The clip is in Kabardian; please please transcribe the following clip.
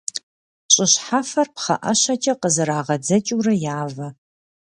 Щӏы щхьэфэр пхъэӏэщэкӏэ къызэрагъэдзэкӏыурэ явэ.